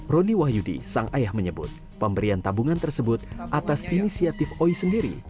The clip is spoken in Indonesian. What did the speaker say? roni wahyudi sang ayah menyebut pemberian tabungan tersebut atas inisiatif oi sendiri